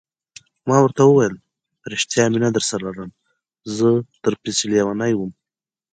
ما ورته وویل: په رښتیا مینه درسره لرم، زه در پسې لیونی وم.